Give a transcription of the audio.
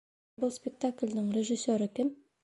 Был спектаклдең режиссеры кем?